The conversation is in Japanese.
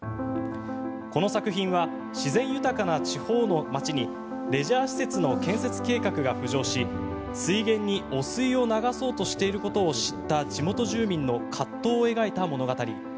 この作品は自然豊かな地方の町にレジャー施設の建設計画が浮上し水源に汚水を流そうとしていることを知った地元住民の葛藤を描いた物語。